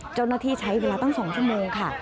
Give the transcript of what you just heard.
เจ้าหน้าที่ใช้เวลาตั้ง๒ชั่วโมงค่ะ